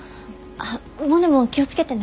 あっモネも気を付けてね。